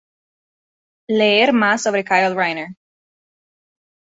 Leer más sobre Kyle Rayner.